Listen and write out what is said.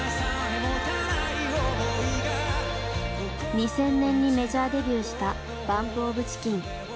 ２０００年にメジャーデビューしたＢＵＭＰＯＦＣＨＩＣＫＥＮ。